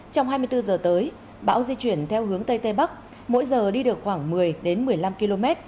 trong hai mươi bốn giờ tới bão di chuyển theo hướng tây tây bắc mỗi giờ đi được khoảng một mươi một mươi năm km